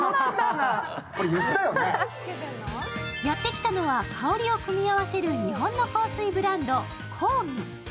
やって来たのは、香りを組み合わせる日本の香水ブランドＫＯ−ＧＵ。